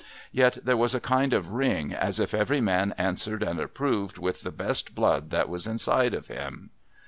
Yet there was a kind of ring, as if every man answered and approved with the best blood that was inside of him.